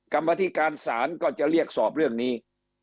กรรมธิการศาลก็จะเรียกสอบเรื่องนี้